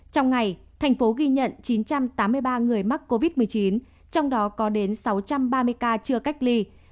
trong ngày thành phố ghi nhận chín trăm tám mươi ba người mắc covid một mươi chín trong đó có đến sáu trăm ba mươi ca chưa cách ly